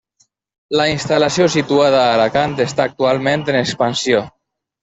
La instal·lació situada a Alacant està actualment en expansió.